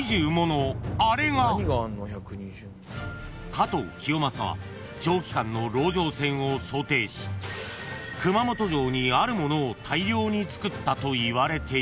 ［加藤清正は長期間の籠城戦を想定し熊本城にあるものを大量につくったといわれている］